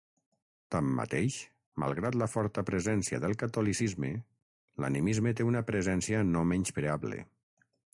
Tanmateix, malgrat la forta presència del catolicisme, l'animisme té una presència no menyspreable.